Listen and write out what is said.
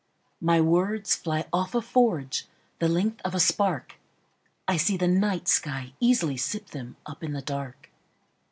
My words fly off a forgeThe length of a spark;I see the night sky easily sip themUp in the dark.